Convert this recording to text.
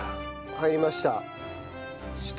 入りました。